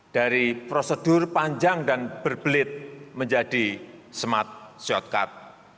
dari prosedur panjang dan berbelit menjadi smart shortcut